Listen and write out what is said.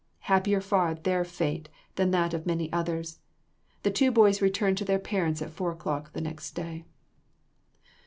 Happier far their fate than that of many others. The two boys returned to their parents at four o'clock the next day."